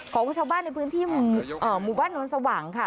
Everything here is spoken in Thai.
ของชาวบ้านในพื้นที่หมู่บ้านนวลสว่างค่ะ